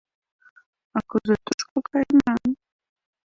— А кузе тушко кайыман?